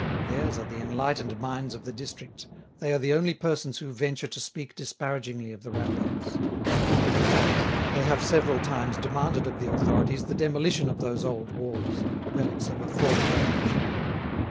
Theirs are the enlightened minds of the district, they are the only persons who venture to speak disparagingly of the ramparts; in fact, they have several times demanded of the authorities the demolition of those old walls, relics of a former age.